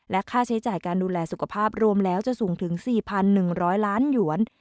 ค่าใช้จ่ายการดูแลสุขภาพรวมแล้วจะสูงถึง๔๑๐๐ล้านหยวน